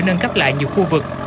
nâng cấp lại nhiều khó khăn